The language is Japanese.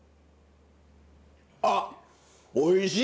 あおいしい！